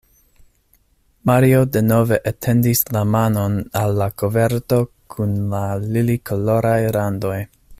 Mario denove etendis la manon al la koverto kun la lilikoloraj randoj.